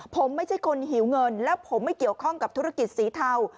ผมไม่ใช่คนหิวเงินแล้วผมไม่เกี่ยวข้องกับธุรกิจสีเทา